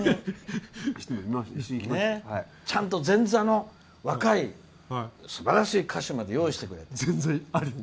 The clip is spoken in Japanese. ちゃんと前座の若いすばらしい歌手まで用意してくれて。